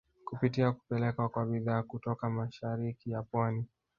Kupitia kupelekwa kwa bidhaa kutoka mashariki ya pwani